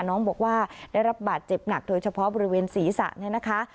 น้องบอกว่าได้รับบาดเจ็บหนักโดยเฉพาะบริเวณศีรษะเนี่ยนะคะ